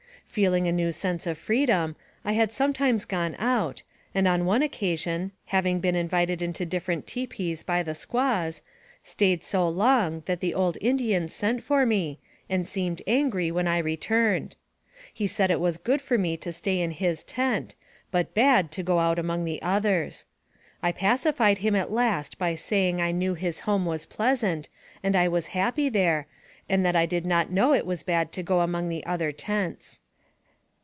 Feeling a new sense of freedom, I had sometimes gone out, and on one occa sion, having been invited into different tipis by the squaws, staid so long that the old Indian sent for me, and seemed angry when I returned. He said it was good for me to stay in his tent, but bad to go out among the others. I pacified him at last by saying I knew his home was pleasant, and I was happy there, 15 170 NARRATIVE OF CAPTIVITY and that I did not know it was bad to go among the other tents.